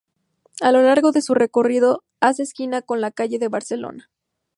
A lo largo de su recorrido hace esquina con la calle de Barcelona.